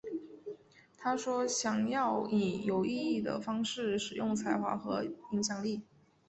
她说想要以有意义的方式使用才华和影响力。